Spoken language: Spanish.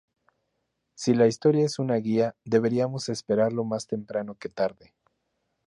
Si la historia es una guía, deberíamos esperarlo más temprano que tarde.